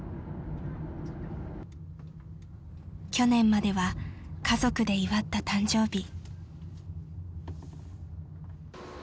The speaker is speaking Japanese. ［去年までは家族で祝った誕生日］